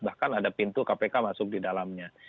bahkan ada pintu kpk masuk di dalamnya